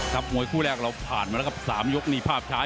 มวยคู่แรกเราผ่านมาแล้วครับ๓ยกนี่ภาพช้า